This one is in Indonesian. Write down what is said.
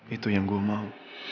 itu yang gue mau